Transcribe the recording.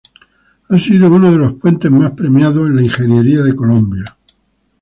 Ha sido uno de los puentes más premiados en la ingeniería de Colombia.